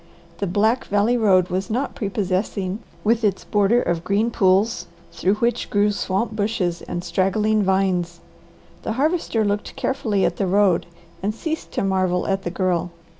The black valley road was not prepossessing, with its border of green pools, through which grew swamp bushes and straggling vines. The Harvester looked carefully at the road, and ceased to marvel at the Girl.